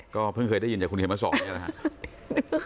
ก็เพิ่งเคยได้ยินจากคุณเขียนมาสอนนี่แหละครับ